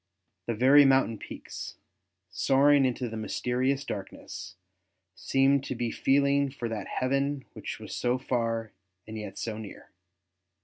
The very mountain peaks, soaring into the mysterious darkness, seemed to be feeling for that heaven which was so far and yet so near.